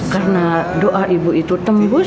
karena doa ibu itu tembus